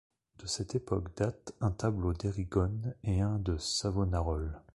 De cette époque date un tableau d'Erigone et un de Savonarole.